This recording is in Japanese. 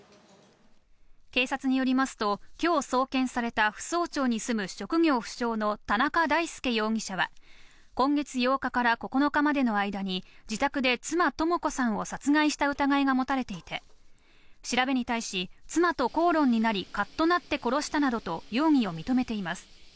警察によりますと今日、送検された扶桑町に住む職業不詳の田中大介容疑者は、今月８日から９日までの間に自宅で妻・智子さんを殺害した疑いがもたれていて、調べに対し、妻と口論になり、カッとなって殺したなどと容疑を認めています。